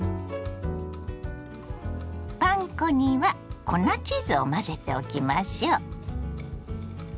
パン粉には粉チーズを混ぜておきましょ。